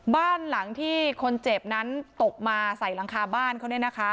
บ้านหลังที่คนเจ็บนั้นตกมาใส่หลังคาบ้านเขา